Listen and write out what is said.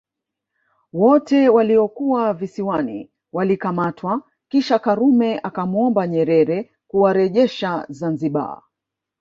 Wote waliokuwa Visiwani walikamatwa kisha Karume akamwomba Nyerere kuwarejesha Zanzibar